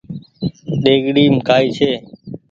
ۮيگڙيم ڪآئي ڇي